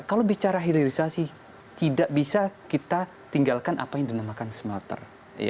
kalau bicara hilirisasi tidak bisa kita tinggalkan apa yang dinamakan smelter